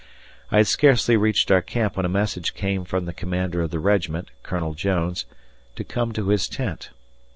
I had scarcely reached our camp when a message came from the commander of the regiment, Colonel Jones, to come to his tent.